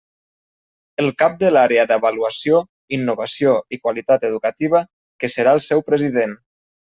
El cap de l'Àrea d'Avaluació, Innovació i Qualitat Educativa que serà el seu president.